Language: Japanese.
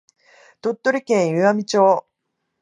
鳥取県岩美町